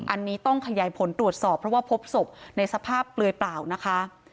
อันนี้ต้องขยายผลตรวจสอบเพราะว่าพบศพในสภาพเปลือยเปล่านะคะ